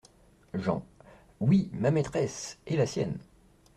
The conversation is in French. Jean. — Oui, ma maîtresse… et la sienne.